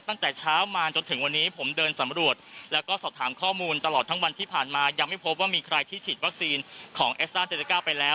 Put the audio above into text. ตั้งแต่เช้ามาจนถึงวันนี้ผมเดินสำรวจแล้วก็สอบถามข้อมูลตลอดทั้งวันที่ผ่านมายังไม่พบว่ามีใครที่ฉีดวัคซีนของเอสต้าเจริก้าไปแล้ว